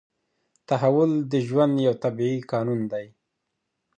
تحول د ژوند یو طبیعي قانون دی.